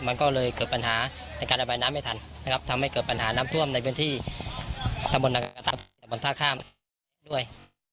มันก็เลยเกิดปัญหาในการระบายน้ำไม่ทันนะครับทำให้เกิดปัญหาน้ำท่วมในพื้นที่ตำบลท่าข้ามด้วย